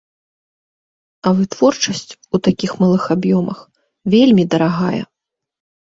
А вытворчасць у такіх малых аб'ёмах вельмі дарагая.